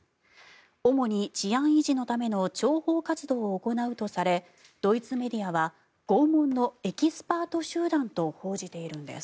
主に治安維持のための諜報活動を行うとされドイツメディアは拷問のエキスパート集団と報じているんです。